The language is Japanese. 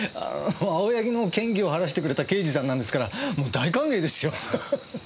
青柳の嫌疑を晴らしてくれた刑事さんなんですからもう大歓迎ですよ。